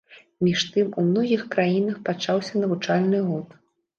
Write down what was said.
Між тым у многіх краінах пачаўся навучальны год.